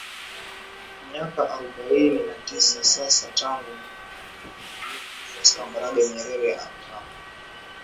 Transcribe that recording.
miaka arobaini na tisa sasa tangu mwalimu julius kambarage nyerere akabi